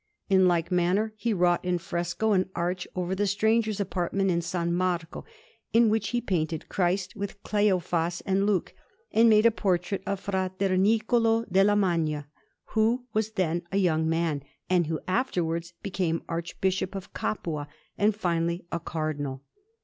In like manner, he wrought in fresco an arch over the strangers' apartment in S. Marco, in which he painted Christ with Cleophas and Luke, and made a portrait of Fra Niccolò della Magna, who was then a young man, and who afterwards became Archbishop of Capua, and finally a Cardinal.